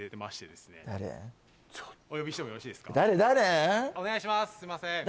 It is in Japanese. すいません誰？